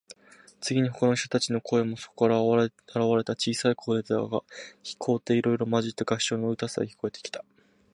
次に、ほかの者たちの顔もそこから現われた。小さい声でだが、高低いろいろまじった合唱の歌さえ、聞こえてきた。